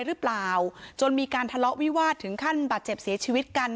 หรือเปล่าจนมีการทะเลาะวิวาสถึงขั้นบาดเจ็บเสียชีวิตกัน